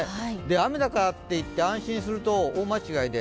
雨だからといって安心すると大間違いで